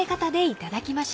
いただきます。